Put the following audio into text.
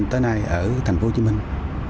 tới nay ở thành phố hồ chí minh